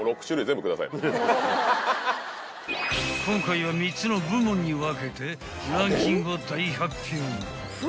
［今回は３つの部門に分けてランキングを大発表］